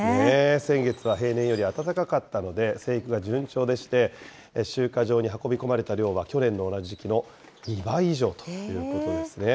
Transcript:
先月は平年より暖かかったので、生育が順調でして、集荷場に運び込まれた量は、去年の同じ時期の２倍以上ということですね。